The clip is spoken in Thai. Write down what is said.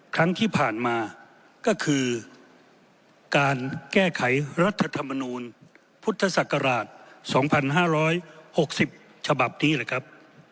ครั้งที่ผ่านมาก็คือการแก้ไขรัฐธรรมนูลพุทธศักราช๒๕๖๐ฉบับนี้แหละครับ